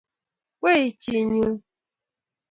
Wei, chi nyu !